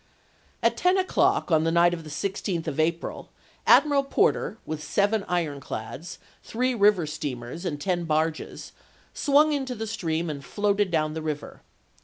1863. At ten o'clock on the night of the 16th of April Admiral Porter, with seven ironclads, three river steamers, and ten barges, swung into the stream and floated down the river.